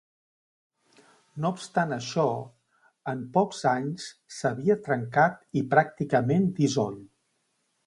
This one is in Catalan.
No obstant això, en pocs anys s'havia trencat i pràcticament dissolt.